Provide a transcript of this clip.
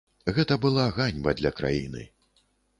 Гэта была ганьба для краіны.